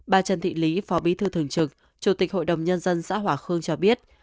bà trần thị lý phó bí thư thường trực chủ tịch hội đồng nhân dân xã hòa khương cho biết